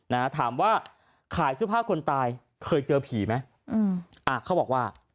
นะฮะถามว่าขายเสื้อผ้าคนตายเคยเจอผีไหมอืมอ่าเขาบอกว่า